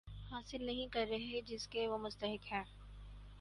حاصل نہیں کر رہے جس کے وہ مستحق ہیں